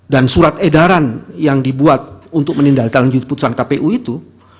dan surat edaran yang dibuat untuk menindalikan putusan kpu itu